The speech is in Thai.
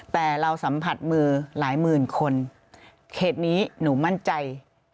แต่เราสัมผัสมือหลายหมื่นคนเขตนี้หนูมั่นใจ